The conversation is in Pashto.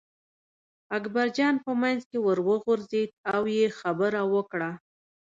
اکبرجان په منځ کې ور وغورځېد او یې خبره وکړه.